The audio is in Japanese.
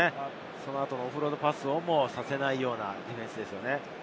その後、オフロードパスをもさせないようなディフェンスです。